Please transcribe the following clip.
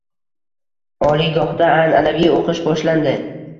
Oliygohda an’anaviy o‘qish boshlandi